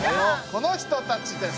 この人たちです！